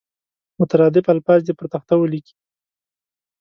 مترادف الفاظ دې پر تخته ولیکي.